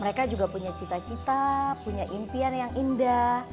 mereka juga punya cita cita punya impian yang indah